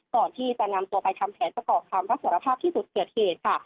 ก่อนที่จะนำตัวไปทำแผนประกอบคำรับสารภาพที่จุดเกิดเหตุค่ะ